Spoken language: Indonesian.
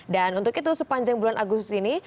dan untuk itu sepanjang bulan agustus ini